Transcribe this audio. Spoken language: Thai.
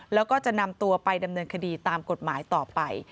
แล้วก็จะนำตัวไปดำเนินคดีตามกฎหมายต่อไป